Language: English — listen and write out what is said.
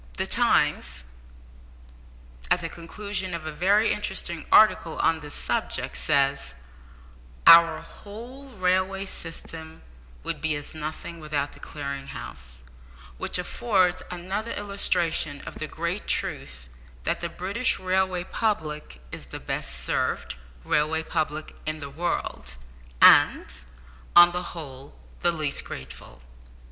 The Times, at the conclusion of a very interesting article on this subject, says, "Our whole railway system would be as nothing without the Clearing House, which affords another illustration of the great truth that the British railway public is the best served railway public in the world, and, on the whole, the least grateful."